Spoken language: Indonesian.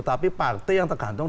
tapi partai yang tergantung